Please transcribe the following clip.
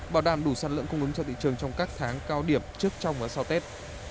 bảo đảm đủ sản lượng cung ứng cho thị trường trong các tháng cao điểm trước trong và sau tết